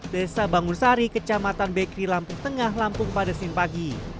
desa bangun sari kecamatan bekri lampung tengah lampung pada senin pagi